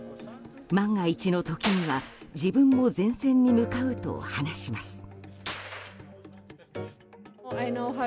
万が一の時には自分も前線に向かうと話します。